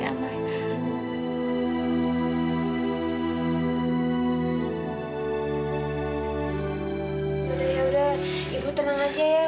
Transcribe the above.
yaudah yaudah ibu tenang aja ya